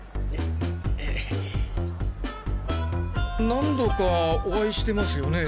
何度かお会いしてますよね？